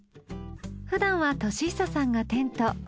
ふだんは敏久さんがテント。